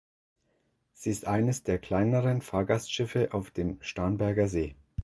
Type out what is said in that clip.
Sie ist eines der kleineren Fahrgastschiffe auf dem Starnberger See.